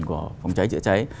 của phòng cháy dựa cháy